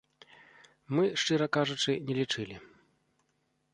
Мы, шчыра кажучы, не лічылі.